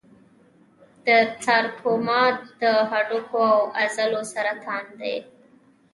د سارکوما د هډوکو او عضلو سرطان دی.